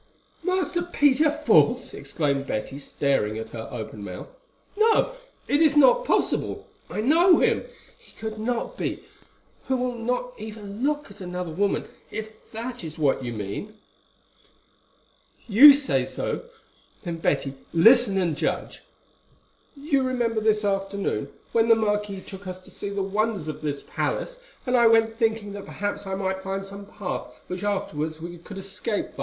"Master Peter false!" exclaimed Betty, staring at her open mouthed. "No, it is not possible. I know him; he could not be, who will not even look at another woman, if that is what you mean." "You say so. Then, Betty, listen and judge. You remember this afternoon, when the marquis took us to see the wonders of this palace, and I went thinking that perhaps I might find some path by which afterwards we could escape?"